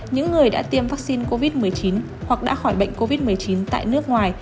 những người đã tiêm vaccine covid một mươi chín hoặc đã khỏi bệnh covid một mươi chín tại nước ngoài